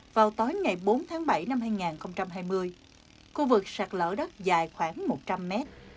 vào tối ngày bốn tháng bảy năm hai nghìn hai mươi khu vực sạch lỡ đắt dài khoảng một trăm linh mét